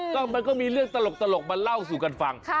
ก็มันก็มีเรื่องตลกมาเล่าสู่กันฟัง